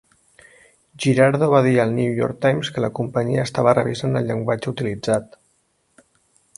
Girardo va dir al "New York Times" que la companyia estava "revisant" el llenguatge utilitzat.